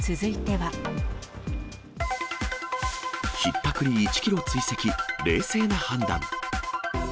ひったくり１キロ追跡、冷静な判断。